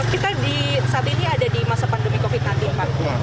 kita saat ini ada di masa pandemi covid sembilan belas pak